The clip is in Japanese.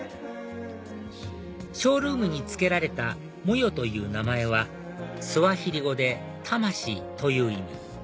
ショールームに付けられたモヨという名前はスワヒリ語で「魂」という意味